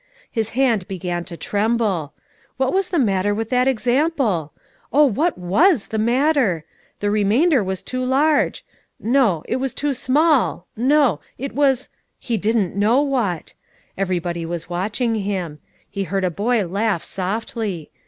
His hand began to tremble. What was the matter with that example? Oh, what was the matter? The remainder was too large; no it was too small; no it was he didn't know what! Everybody was watching him; he heard a boy laugh softly.